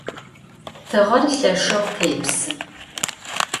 Tığer lheşşeu khêpsı.